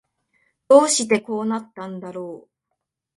どうしてこうなったんだろう